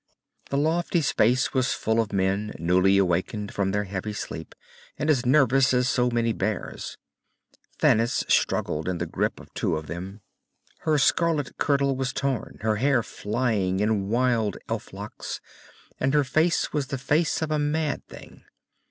The lofty space was full of men, newly wakened from their heavy sleep and as nervous as so many bears. Thanis struggled in the grip of two of them. Her scarlet kirtle was torn, her hair flying in wild elf locks, and her face was the face of a mad thing.